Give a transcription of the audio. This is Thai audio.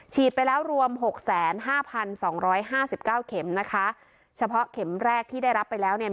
ไปแล้วรวมหกแสนห้าพันสองร้อยห้าสิบเก้าเข็มนะคะเฉพาะเข็มแรกที่ได้รับไปแล้วเนี่ย